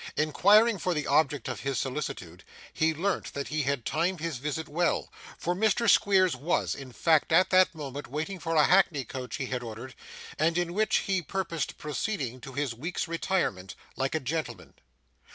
Inquiring for the object of his solicitude, he learnt that he had timed his visit well; for Mr Squeers was, in fact, at that moment waiting for a hackney coach he had ordered, and in which he purposed proceeding to his week's retirement, like a gentleman.